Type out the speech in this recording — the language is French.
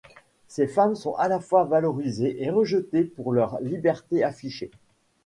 Ces femmes sont à la fois valorisées et rejetées pour leur liberté affichée.